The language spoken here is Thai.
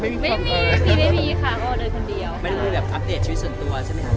ไม่มีแบบอัพเดทชีวิตส่วนตัวล่ะ